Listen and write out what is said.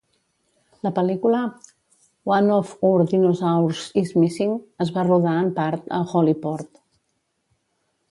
La pel·lícula "One of Our Dinosaurs Is Missing" es va rodar, en part, a Holyport.